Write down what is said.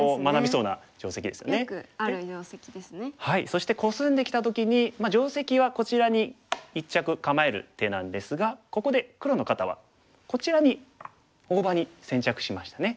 そしてコスんできた時にまあ定石はこちらに一着構える手なんですがここで黒の方はこちらに大場に先着しましたね。